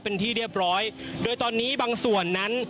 เป็นที่เรียบร้อยโดยตอนนี้บางส่วนนั้น